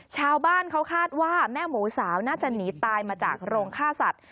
ชาวบ้านเขาคาดว่าแม่หมูสาวน่าจะหนีตายมาจากโรงฆ่าสัตว